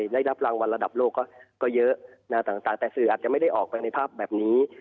ได้รับรางวัลระดับโลกก็เยอะต่างแต่สื่ออาจจะไม่ได้ออกไปในภาพแบบนี้